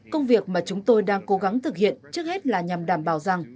công việc mà chúng tôi đang cố gắng thực hiện trước hết là nhằm đảm bảo rằng